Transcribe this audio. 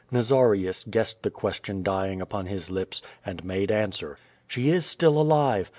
Xazarius guessed the question d3'ingjupon his lips, and made answer. "She is still alive.